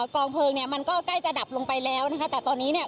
กองเพลิงเนี่ยมันก็ใกล้จะดับลงไปแล้วนะคะแต่ตอนนี้เนี่ย